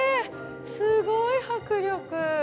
すごい迫力。